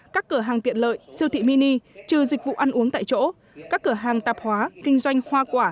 các cửa hàng tiện lợi siêu thị mini trừ dịch vụ ăn uống tại chỗ các cửa hàng tạp hóa kinh doanh hoa quả